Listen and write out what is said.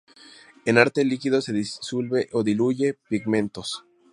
En arte, líquido que disuelve o diluye pigmentos.